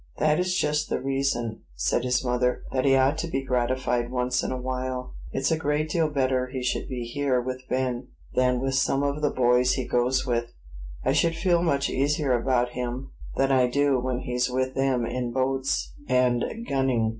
"That is just the reason," said his mother, "that he ought to be gratified once in a while. It's a great deal better he should be here with Ben, than with some of the boys he goes with; I should feel much easier about him than I do when he's with them in boats, and gunning.